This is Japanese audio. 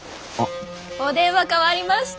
お電話代わりました。